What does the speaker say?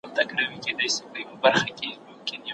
سبا به هغوی دا ستونزه نه يادوي.